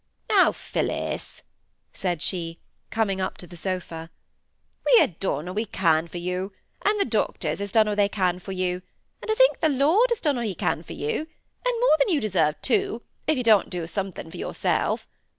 "Now, Phillis!" said she, coming up to the sofa; "we ha' done a' we can for you, and th' doctors has done a' they can for you, and I think the Lord has done a' He can for you, and more than you deserve, too, if you don't do something for yourself.